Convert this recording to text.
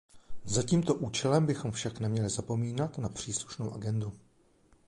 Za tímto účelem bychom však neměli zapomínat na příslušnou agendu.